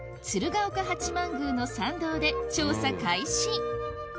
鶴岡八幡宮の参道で調査開始